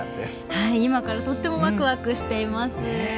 はい、今からとってもワクワクしています。